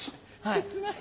切ない。